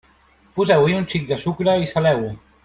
Poseu-hi un xic de sucre i saleu-ho.